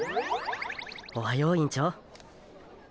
おはよう委員長。